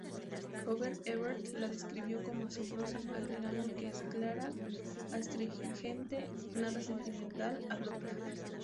Roger Ebert la describió como "asombrosa", agregando que es "clara, astringente, nada sentimental, abrupta".